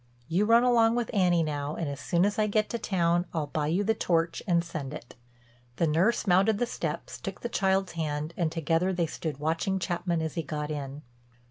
You run along with Annie now and as soon as I get to town I'll buy you the torch and send it." The nurse mounted the steps, took the child's hand, and together they stood watching Chapman as he got in.